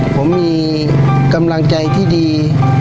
ผมมีกำลังใจที่ดี